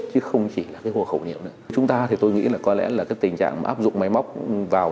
chúng ta thì tôi nghĩ là có lẽ là cái tình trạng áp dụng máy móc vào